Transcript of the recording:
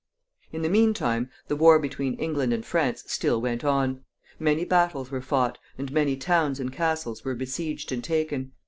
In the mean time, the war between England and France still went on. Many battles were fought, and many towns and castles were besieged and taken.